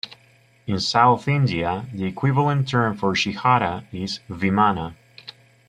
In South India, the equivalent term for "shikhara" is "vimana".